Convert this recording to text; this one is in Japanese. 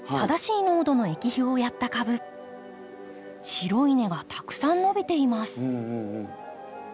白い根はたくさん伸びています。